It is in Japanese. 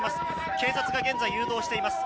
警察が現在、誘導しています。